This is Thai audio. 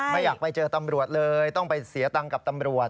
ไม่อยากไปเจอตำรวจเลยต้องไปเสียตังค์กับตำรวจ